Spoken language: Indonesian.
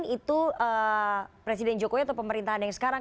itu presiden jokowi atau pemerintahan yang sekarang